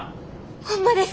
ホンマですか！？